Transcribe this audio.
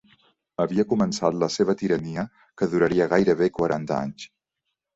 Havia començat la seva tirania, que duraria gairebé quaranta anys.